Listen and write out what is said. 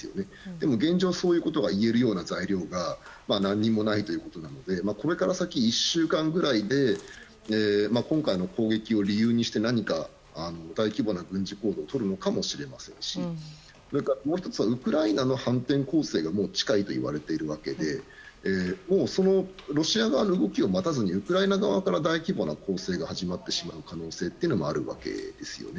でも現状はそういうことが言えるような材料が何もないのでこれから先、１週間ぐらいで今回の攻撃を理由にして何か大規模な軍事行動をとるのかもしれませんしもう１つはウクライナの反転攻勢が近いといわれているわけでそのロシア側の動きを待たずにウクライナ側から大規模な攻勢が始まってしまう可能性というのもあるわけですね。